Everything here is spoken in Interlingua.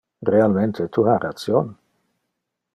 Realmente, tu ha ration.